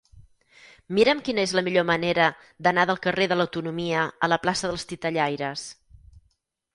Mira'm quina és la millor manera d'anar del carrer de l'Autonomia a la plaça dels Titellaires.